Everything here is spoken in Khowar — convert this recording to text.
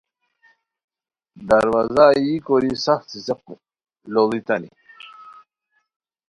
دروازا یی کوری سف څیڅیق لوڑیتانی